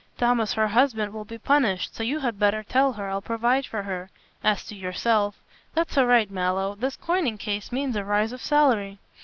Thomas her husband will be punished, so you had better tell her, I'll provide for her. As to yourself " "That's all right, Mallow, this coining case means a rise of salary."